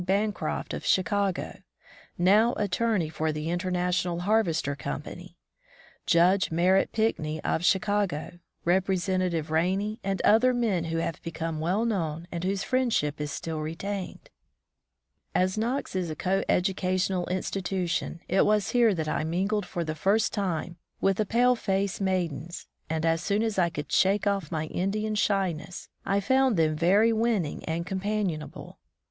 Bancroft of Chicago, now attorney for the International Harvester Company, Judge Merritt Pinckney of Chicago, Representative Rainey, and other men who have become well known and whose friendship is still retained. £8 College Life in the West As Knox is a co educational institution, it was here that I mingled for the first time with the pale face maidens, and as soon as I could shake off my Indian shyness, I found them very winning and companion able.